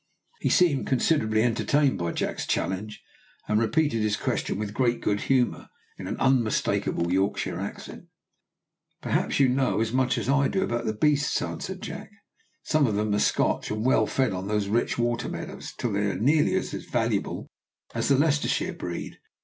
He seemed considerably entertained by Jack's challenge, and repeated his question with great good humour, in an unmistakable Yorkshire accent. "You perhaps know as much as I do about the beasts," answered Jack. "Some of them are Scotch, and well fed on these rich water meadows, till they are nearly as valuable as the Leicestershire breed.